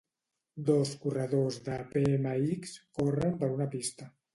Dos corredors de BMX corren per una pista